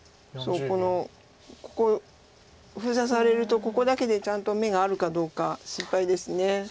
ここ封鎖されるとここだけでちゃんと眼があるかどうか心配です。